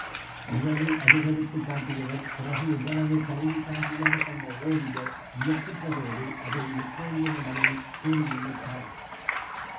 முதலில் அருவருப்புக் காட்டியவர், பிறகு இவ்வளவு பரிவு காட்டியதைக் கண்ட ஒவியர் வியப்புற்றதோடு அதை நெப்போலியனிடமே கூறியும் விட்டார்.